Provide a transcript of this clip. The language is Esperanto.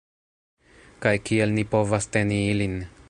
Kaj kiel ni povas teni ilin?